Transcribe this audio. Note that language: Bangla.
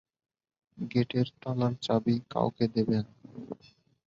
গেটের তালার চাবি কাউকে দেবে না।